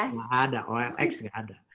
tidak ada olx tidak ada